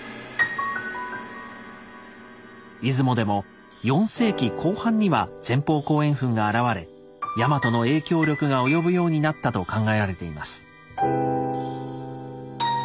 出雲でも４世紀後半には前方後円墳が現れヤマトの影響力が及ぶようになったと考えられています。